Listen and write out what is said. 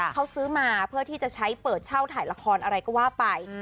เขาซื้อมาเพื่อที่จะใช้เปิดเช่าถ่ายละครอะไรก็ว่าไป